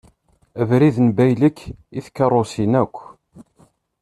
Abrid n baylek i tkerrusin akk.